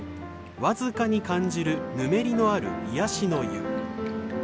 僅かに感じるぬめりのある癒やしの湯。